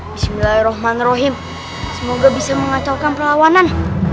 bismillahirrahmanirrahim semoga bisa mengacaukan perlawanan